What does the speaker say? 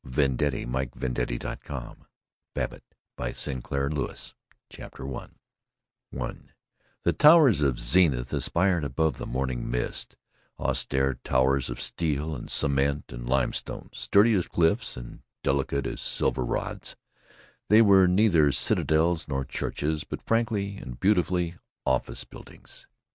PRINTED IN THE UNITED STATES OF AMERICA To EDITH WHARTON BABBITT CHAPTER I I The towers of Zenith aspired above the morning mist; austere towers of steel and cement and limestone, sturdy as cliffs and delicate as silver rods. They were neither citadels nor churches, but frankly and beautifully office buildings.